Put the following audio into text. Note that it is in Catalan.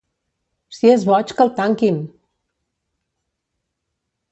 Si és boig, que el tanquin!